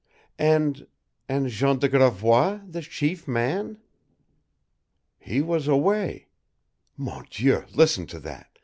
"And and Jean de Gravois, the chief man?" "He was away. Mon Dieu, listen to that!